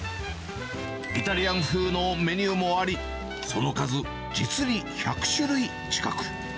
イタリアン風のメニューもあり、その数、実に１００種類近く。